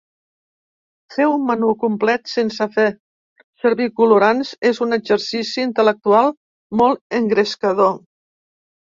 Fer un menú complet sense fer servir colorants és un exercici intel·lectual molt engrescador.